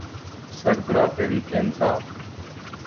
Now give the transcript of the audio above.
سربراہ تحریک انصاف۔